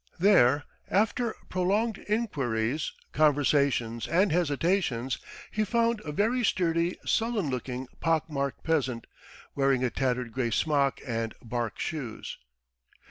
There, after prolonged enquiries, conversations, and hesitations, he found a very sturdy, sullen looking pock marked peasant, wearing a tattered grey smock and bark shoes.